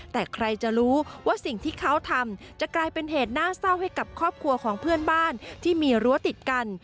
แต่ใครจะรู้ว่าสิ่งที่เขาทำจะกลายเป็นเหตุน่าเศร้าให้กับครอบครัวของเพื่อนบ้านที่มีรั้วติดกัน